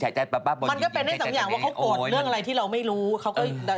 เขาก็ต้องมีอะไรของเขาอะ